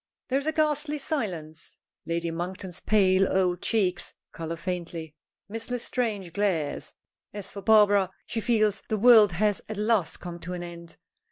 There is a ghastly silence. Lady Monkton's pale old cheeks color faintly. Miss L'Estrange glares. As for Barbara, she feels the world has at last come to an end.